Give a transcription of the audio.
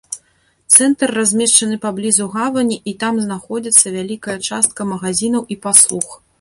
Цэнтр размешчаны паблізу гавані і там знаходзяцца вялікая частка магазінаў і паслуг.